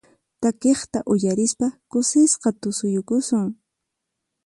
Takiqta uyarispa kusisqa tusuyukusun.